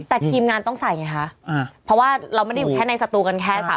แต่ทีมงานต้องใส่ไงคะเพราะว่าเราไม่ได้อยู่แค่ในสตูกันแค่สาม